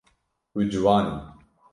Tu ciwan î.